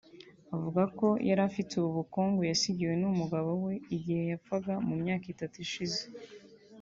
avuga ko yari afite ubu bukungu yasigiwe n’umugabo we igihe yapfaga mu myaka itatu ishize